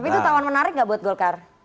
tapi itu tawaran menarik nggak buat golkar